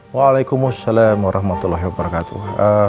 waalaikumsalam warahmatullahi wabarakatuh